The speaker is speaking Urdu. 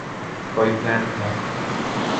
کوئی پلان تھا۔